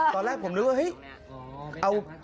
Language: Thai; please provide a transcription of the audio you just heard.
ตอนแรกผมนึกว่าเฮ้ย